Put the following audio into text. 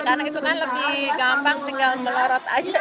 karena itu kan lebih gampang tinggal melorot aja ya